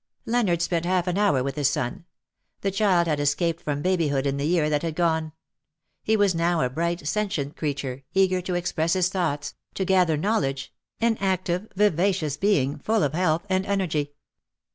Leonard spent half an hour with his son. The child had escaped from babyhood in the year that had gone. He was now a bright sentient creature, eager to express his thoughts — to gather know ledge — an active, vivacious being, full of health and energy.